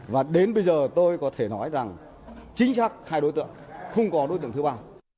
và đến bây giờ tôi có thể nói rằng chính xác hai đối tượng không có đối tượng thứ ba